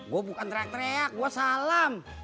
gua bukan teriak teriak gua salam